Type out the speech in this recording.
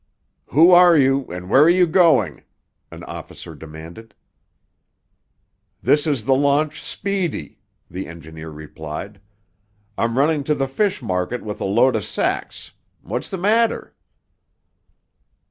"Who are you, and where are you going?" an officer demanded. "This is the launch Speedy," the engineer replied. "I'm runnin' to th' fish market with a load o' sacks. What's th' matter?"